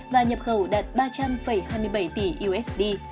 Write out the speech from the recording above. và nhập khẩu đạt ba trăm linh hai mươi bảy tỷ usd